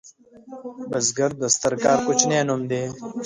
بزګر د ستر کار کوچنی نوم دی